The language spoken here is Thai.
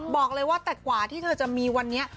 บอกเลยว่าแต่กว่าที่เธอจะมีวันนี้